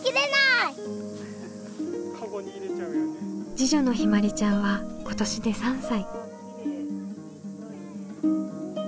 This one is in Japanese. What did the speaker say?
次女のひまりちゃんは今年で３歳。